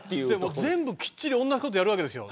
全部同じことやるわけですよ。